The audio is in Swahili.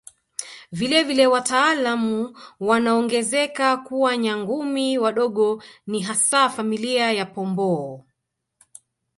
Vile vile wataalamu wanaongeza kuwa Nyangumi wadogo ni hasa familia ya Pomboo